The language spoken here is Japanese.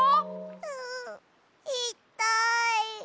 うういったい。